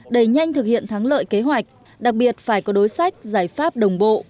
đẩy nhanh thực hiện thắng lợi kế hoạch đặc biệt phải có đối sách giải pháp đồng bộ